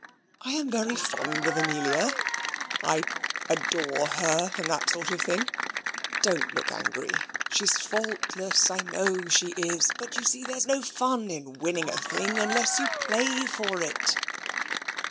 I am very fond of Amelia; I adore her, and that sort of thing. Don't look angry. She's faultless; I know she is. But you see there's no fun in winning a thing unless you play for it.